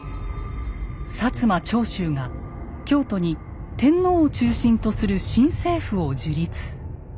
摩・長州が京都に天皇を中心とする新政府を樹立。